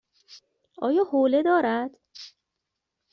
آیا حوله دارد؟